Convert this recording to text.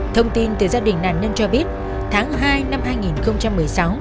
thông tin từ gia đình nạn nhân cho biết tháng hai năm hai nghìn một mươi sáu